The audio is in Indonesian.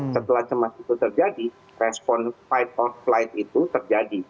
setelah cemas itu terjadi respon fight of flight itu terjadi